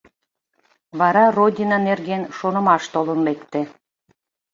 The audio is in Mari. Вара Родина нерген шонымаш толын лекте.